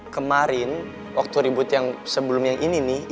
kemarin waktu ribet yang sebelum yang ini nih